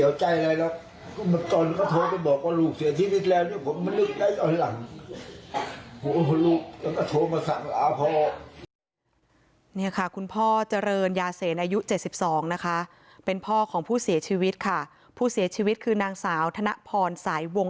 นี่ค่ะคุณพ่อเจริญยาเสนอายุ๗๒นะคะเป็นพ่อของผู้เสียชีวิตค่ะผู้เสียชีวิตคือนางสาวธนพรสายวง